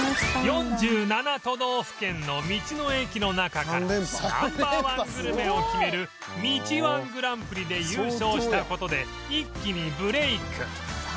４７都道府県の道の駅の中から Ｎｏ．１ グルメを決める道 −１ グランプリで優勝した事で一気にブレーク